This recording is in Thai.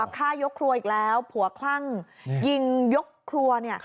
ฆ่ายกครัวอีกแล้วผัวคลั่งยิงยกครัวเนี่ย